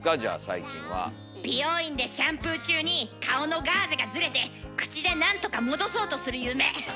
美容院でシャンプー中に顔のガーゼがずれて口でなんとか戻そうとする夢。